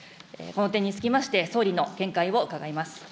この点につきまして総理の見解を伺います。